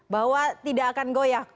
bahwa tidak akan goyah